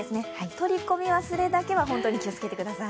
取り込み忘れだけは本当に気をつけてください。